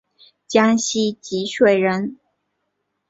江西吉水人。